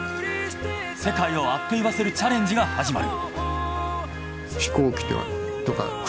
世界をアッと言わせるチャレンジが始まる。